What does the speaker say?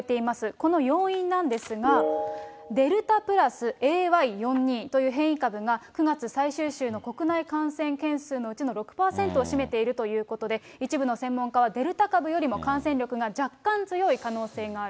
この要因なんですが、デルタプラスＡＹ４２という変異株が、９月最終週の国内感染件数のうちの６％を占めているということで、一部の専門家は、デルタ株よりも感染力が若干強い可能性がある。